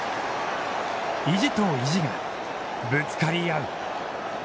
意地と意地がぶつかり合う。